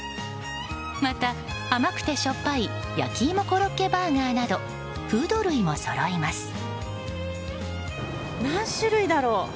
また、甘くてしょっぱい焼き芋コロッケバーガーなどフード類もそろいます。